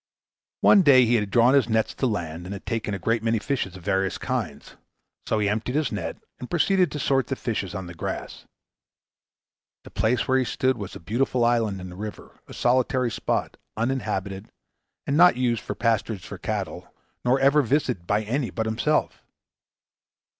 One day he had drawn his nets to land, and had taken a great many fishes of various kinds. So he emptied his net, and proceeded to sort the fishes on the grass. The place where he stood was a beautiful island in the river, a solitary spot, uninhabited, and not used for pasturage of cattle, nor ever visited by any but himself.